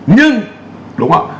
nhưng đúng không